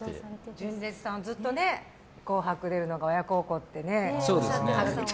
純烈さん、ずっと「紅白」出るのが親孝行ってね。